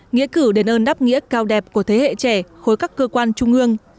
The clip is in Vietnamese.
nghĩa cử đền ơn đáp nghĩa cao đẹp của thế hệ trẻ khối các cơ quan trung ương